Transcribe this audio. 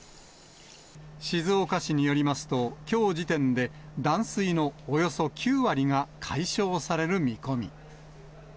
静岡市によりますと、きょう時点で断水のおよそ９割が解消される見込み。